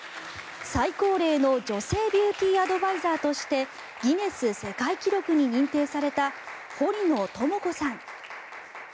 最高齢の女性ビューティーアドバイザーとしてギネス世界記録に認定された堀野智子さん。